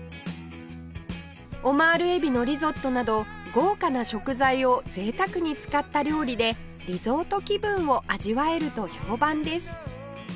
オマール海老のリゾットなど豪華な食材を贅沢に使った料理でリゾート気分を味わえると評判です